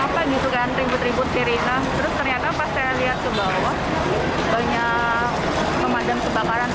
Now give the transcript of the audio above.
apa gitu kan ribut ribut kiri nah terus ternyata pas saya lihat ke bawah banyak pemadam kebakaran